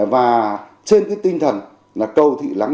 và trên cái tinh thần là cầu thị lắng